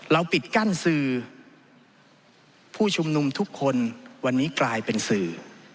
ปิดกั้นสื่อผู้ชุมนุมทุกคนวันนี้กลายเป็นสื่อ